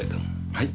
はい？